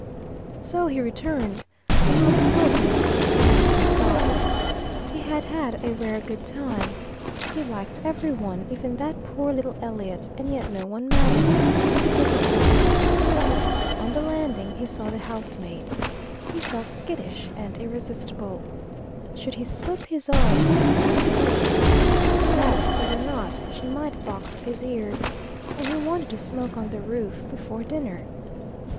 So he returned, full of pleasant disconnected thoughts. He had had a rare good time. He liked every one even that poor little Elliot and yet no one mattered. They were all out. On the landing he saw the housemaid. He felt skittish and irresistible. Should he slip his arm round her waist? Perhaps better not; she might box his ears. And he wanted to smoke on the roof before dinner.